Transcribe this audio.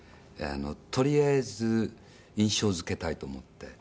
とりあえず印象づけたいと思って。